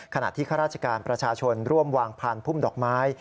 ขณะที่ข้าราชการประชาชนร่วมวางพันธุ์ภูมิดอกไม้